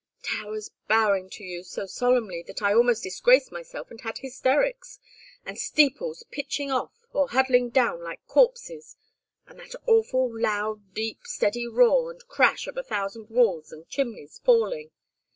Towers bowing to you so solemnly that I almost disgraced myself and had hysterics. And steeples pitching off, or huddling down like corpses. And that awful loud deep steady roar and crash of a thousand walls and chimneys falling.